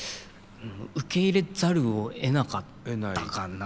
受け入れざるをえなかったかな。